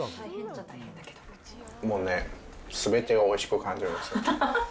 もうね、すべてがおいしく感じられますから。